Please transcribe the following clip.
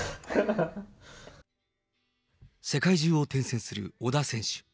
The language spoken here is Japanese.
世界中を転戦する小田選手。